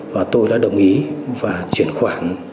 và tôi đã đồng ý và chuyển khoản